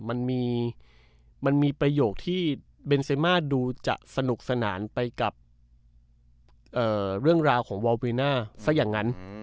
มันมีประโยคที่เบนเซมาดูจะสนุกสนานไปกับเรื่องราวของวอลริน่าซะอย่างนั้น